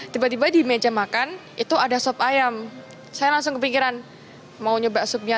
tiba tiba di meja makan itu ada sop ayam saya langsung kepikiran mau nyoba supnya